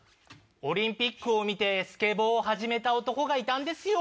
オリンピックを見て、スケボーを始めた男がいたんですよ。